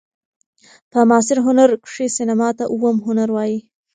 په معاصر هنر کښي سېنما ته اووم هنر وايي.